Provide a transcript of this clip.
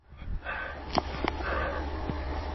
که ژړا پر مرغان شي عجب نه دی.